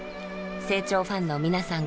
清張ファンの皆さん